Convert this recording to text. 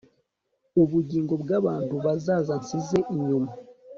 Ubugingo bwabantu bazaza Nsize inyuma